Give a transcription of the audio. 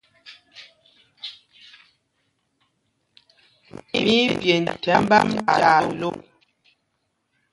Mí í pyend thɛmb ām tyaa lô.